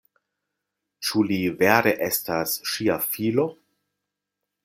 Ĉu li vere estas ŝia filo?